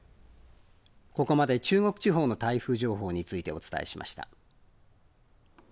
ここまで中国地方の台風情報についてお伝えしました。